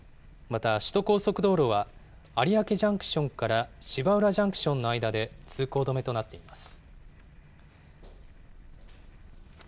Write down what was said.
また首都高速道路は、有明ジャンクションから芝浦ジャンクションの間で通行止めとなっています。